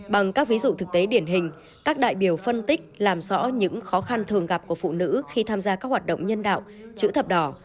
bằng các ví dụ thực tế điển hình các đại biểu phân tích làm rõ những khó khăn thường gặp của phụ nữ khi tham gia các hoạt động nhân đạo chữ thập đỏ